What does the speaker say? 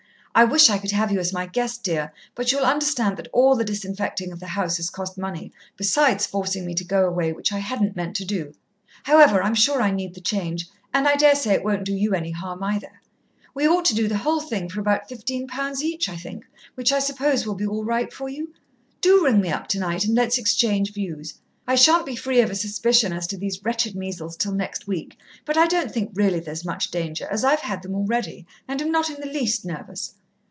I wish I could have you as my guest, dear, but you'll understand that all the disinfecting of the house has cost money, besides forcing me to go away, which I hadn't meant to do. However, I'm sure I need the change, and I dare say it won't do you any harm either. We ought to do the whole thing for about fifteen pounds each, I think, which, I suppose, will be all right for you? Do ring me up tonight, and let's exchange views. I shan't be free of a suspicion as to these wretched measles till next week, but I don't think really there's much danger, as I've had them already and am not in the least nervous.